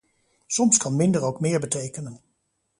Soms kan minder ook meer betekenen.